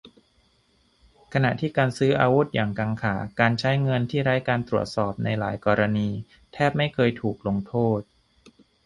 ขณะที่การซื้ออาวุธอย่างกังขา การใช้เงินที่ไร้การตรวจสอบในหลายกรณี แทบไม่เคยถูกลงโทษ